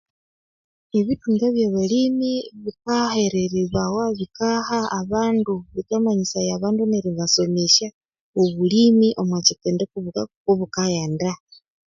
Ubitunga byabalimi bikaheriribawa abandu neribamanyisya abandu ebyobulimi kobikaghenda